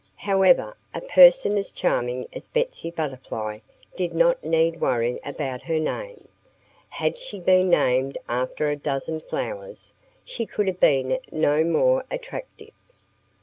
However, a person as charming as Betsy Butterfly did not need worry about her name. Had she been named after a dozen flowers she could have been no more attractive.